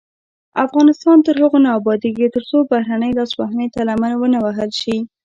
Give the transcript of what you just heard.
افغانستان تر هغو نه ابادیږي، ترڅو بهرنۍ لاسوهنې ته لمن ونه وهل شي.